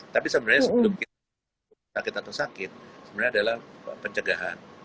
tapi sebenarnya sebelum kita sakit atau sakit sebenarnya adalah pencegahan